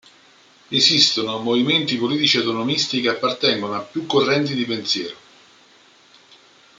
Esistono movimenti politici autonomisti che appartengono a più correnti di pensiero.